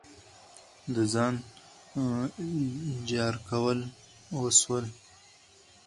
د ځان جار کول وسول.